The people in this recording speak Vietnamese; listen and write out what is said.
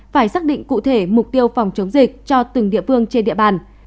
phải xác định cụ thể mục tiêu phòng chống dịch cho từng địa phương trên địa bàn